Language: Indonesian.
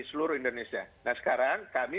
seluruh indonesia nah sekarang kami